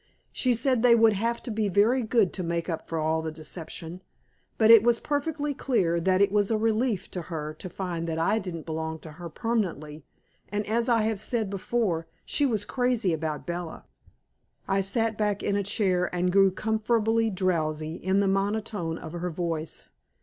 She said they would have to be very good to make up for all the deception, but it was perfectly clear that it was a relief to her to find that I didn't belong to her permanently, and as I have said before, she was crazy about Bella. I sat back in a chair and grew comfortably drowsy in the monotony of her voice.